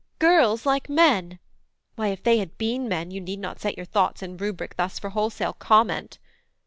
girls, like men! why, if they had been men You need not set your thoughts in rubric thus For wholesale comment."